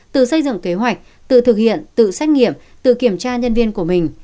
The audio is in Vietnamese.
từ xây dựng kế hoạch tự thực hiện tự xét nghiệm tự kiểm tra nhân viên của mình